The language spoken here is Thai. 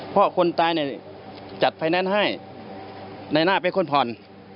เพราะคนตายเนี่ยจัดไฟแนนซ์ให้นายหน้าเป็นคนผ่อน